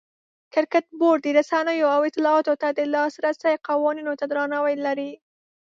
کرکټ بورډ د رسنیو او اطلاعاتو ته د لاسرسي قوانینو ته درناوی لري.